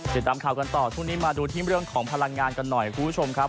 ติดตามข่าวกันต่อช่วงนี้มาดูที่เรื่องของพลังงานกันหน่อยคุณผู้ชมครับ